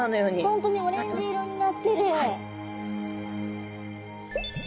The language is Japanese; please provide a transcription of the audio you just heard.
本当にオレンジ色になってる。